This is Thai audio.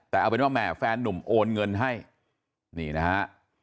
แต่เอาเป็นว่าแหมแฟนนุ่มโอนเงินให้นี่นะฮะ